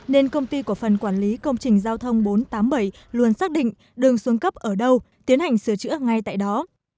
nên công ty của phần quản lý công trình giao thông bốn trăm tám mươi bảy luôn xác định đường xuống cấp ở đâu tiến hành sửa chữa ngay tại đó